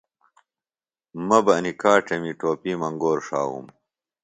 مہ بہ انیۡ کاڇمی ٹوپیم انگور ݜاووم